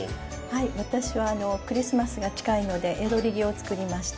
はい私はあのクリスマスが近いので「ヤドリギ」を作りました。